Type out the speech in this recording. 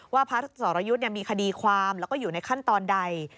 พระสรยุทธ์มีคดีความแล้วก็อยู่ในขั้นตอนใด